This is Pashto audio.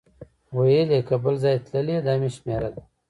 ویل یې که بل ځای تللی دا مې شمېره ده.